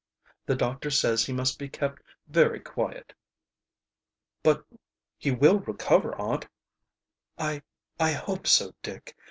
The doctor says he must be kept very quiet." "But he will recover, aunt?" "I I hope so, Dick.